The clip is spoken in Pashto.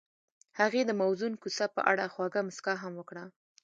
هغې د موزون کوڅه په اړه خوږه موسکا هم وکړه.